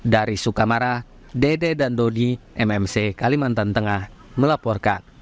dari sukamara dede dan dodi mmc kalimantan tengah melaporkan